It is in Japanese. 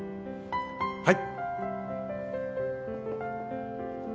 はい。